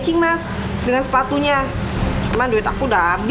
ibu bawa siapa ke kantorku